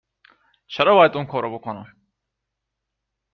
چرا باید اونکارو بکنم؟